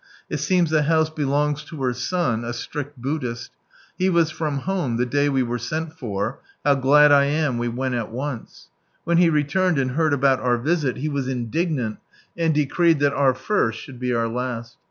It seems the house belongs to her son, a strict Buddhist. He was from home the day we were sent for, (how glad I am we went al once !) When he returned, and heard abotit our visit, he was indignant, and decreed that our first should be our last.